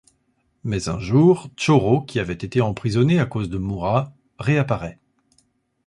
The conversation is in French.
Mais un jour, Tchoro, qui avait été emprisonné à cause de Mourat, réapparait.